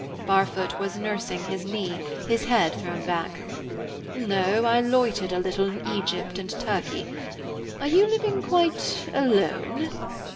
Barfoot was nursing his knee, his head thrown back. "No; I loitered a little in Egypt and Turkey. Are you living quite alone?"